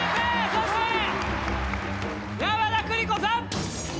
そして山田邦子さん！